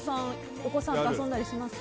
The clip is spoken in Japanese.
お子さんと遊んだりしますか？